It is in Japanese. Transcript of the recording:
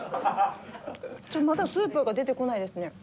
まだスープが出てこないですね。